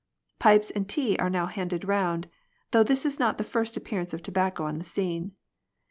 Pipes and tea are now handed round, though this is not the first appearance of tobacco on the scene.